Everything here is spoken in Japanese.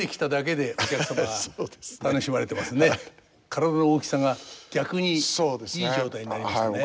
体の大きさが逆にいい状態になりましたね。